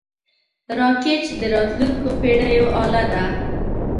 راکټ د راتلونکو پېړیو اله ده